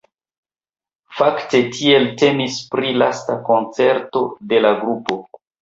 Fakte tiel temis pri lasta koncerto de la grupo.